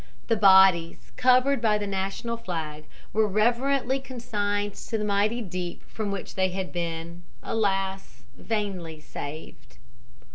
The bodies, covered by the national flag, were reverently consigned to the mighty deep from which they had been, alas, vainly, saved.